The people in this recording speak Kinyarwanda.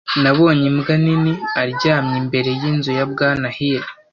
Nabonye imbwa nini aryamye imbere yinzu ya Bwana Hill.